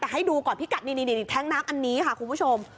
แต่ให้ดูก่อนพิกัดนี่แท้งน้ำอันนี้ค่ะคุณผู้ชม